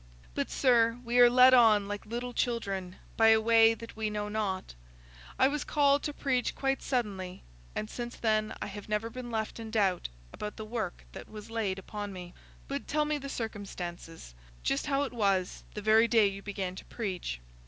But, sir, we are led on, like the little children, by a way that we know not. I was called to preach quite suddenly, and since then I have never been left in doubt about the work that was laid upon me." "But tell me the circumstances—just how it was, the very day you began to preach."